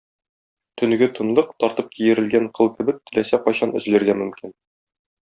Төнге тынлык тартып киерелгән кыл кебек теләсә кайчан өзелергә мөмкин.